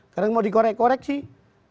karena mau dikorek korek sih